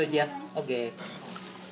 ＯＫ。